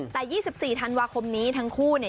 แต่๒๔ธันวาคมนี้ทั้งคู่เนี่ย